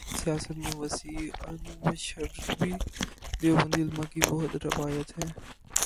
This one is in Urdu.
سیاست میں وسیع المشربی دیوبندی علما کی وہ روایت ہے۔